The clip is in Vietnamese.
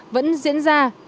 vẫn diễn ra